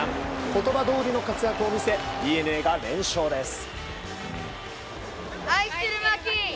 言葉どおりの活躍を見せＤｅＮＡが連勝です。